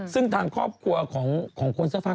ซึ่งทางครอบครัวของคนเสื้อผ้า